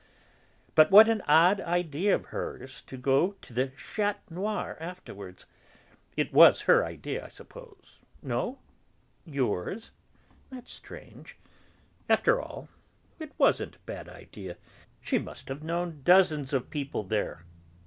But what an odd idea of hers to go on to the Chat Noir afterwards; it was her idea, I suppose? No? Yours? That's strange. After all, it wasn't a bad idea; she must have known dozens of people there?